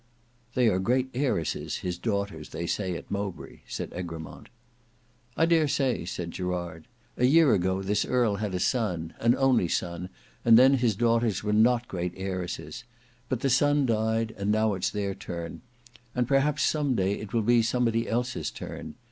"They are great heiresses, his daughters, they say at Mowbray," said Egremont. "I dare say," said Gerard. "A year ago this earl had a son—an only son, and then his daughters were not great heiresses. But the son died and now it's their turn. And perhaps some day it will be somebody else's turn.